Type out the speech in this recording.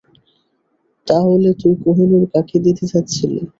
তাহলে তুই কোহিনূর কাকে দিতে চাচ্ছিলি?